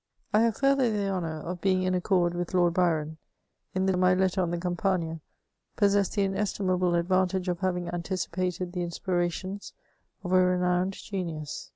I have farther the honour of being in accord with Lord Byron, in the description of Rome; the Martyrs, and my letter on the Campagna, possess the inestimable advantage of having anticipated the inspirations of a renowned genius.